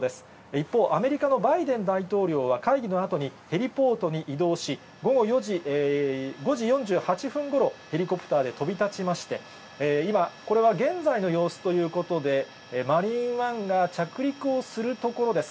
一方、アメリカのバイデン大統領は会議のあとにヘリポートに移動し、午後５時４８分ごろ、ヘリコプターで飛び立ちまして、今、これは現在の様子ということで、マリーンワンが着陸をするところです。